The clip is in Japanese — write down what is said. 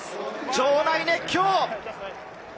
場内は熱狂！